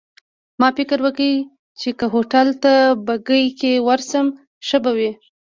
ما فکر وکړ، چي که هوټل ته په بګۍ کي ورشم ښه به وي.